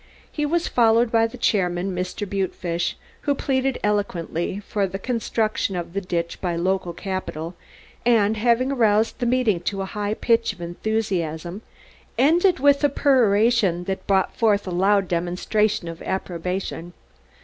He was followed by the chairman, Mr. Butefish, who pleaded eloquently for the construction of the ditch by local capital, and having aroused the meeting to a high pitch of enthusiasm ended with a peroration that brought forth a loud demonstration of approbation.